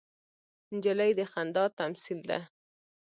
نجلۍ د خندا تمثیل ده.